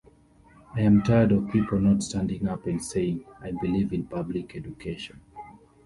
I'm tired of people not standing up and saying, 'I believe in public education.